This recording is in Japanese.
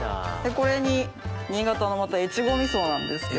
これに新潟のまた越後みそなんですけど。